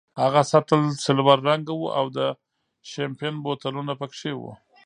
هغه سطل سلور رنګه وو او د شیمپین بوتلونه پکې وو.